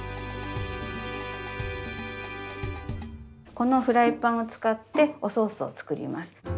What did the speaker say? このフライパンを使っておソースを作ります。